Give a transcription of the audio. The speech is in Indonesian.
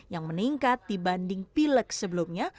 yang meningkat dibanding pileg sebelumnya